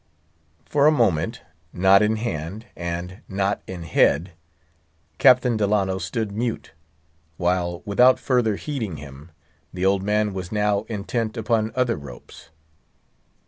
For a moment, knot in hand, and knot in head, Captain Delano stood mute; while, without further heeding him, the old man was now intent upon other ropes.